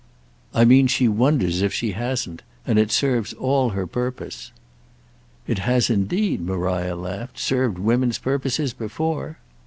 "I mean she wonders if she hasn't—and it serves all her purpose." "It has indeed," Maria laughed, "served women's purposes before!"